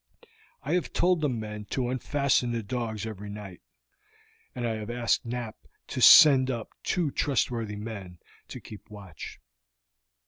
I have told the men to unfasten the dogs every night, and I have asked Knapp to send up two trustworthy men to keep watch."